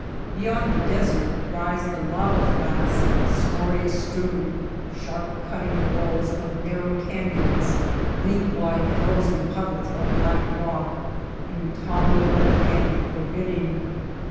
Be yond the desert rise the lava flats, scoriae strewn ; sharp cutting walls of narrow ca ynons ; league wide, frozen puddles of black /rock, intolerable and forbidding.